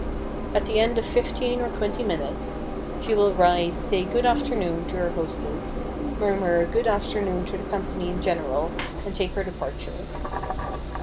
At the end of fifteen or twenty minutes, she will rise, say "Good afternoon" to her hostess, murmur a "Good afternoon" to the company in general and take her departure.